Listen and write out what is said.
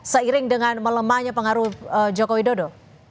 seiring dengan melemahnya pengaruh joko widodo